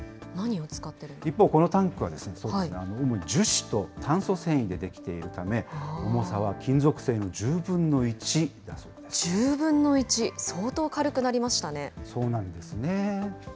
一方、このタンクは、主に樹脂と炭素繊維で出来ているため、重さは金属製の１０分の１１０分の１、相当軽くなりまそうなんですね。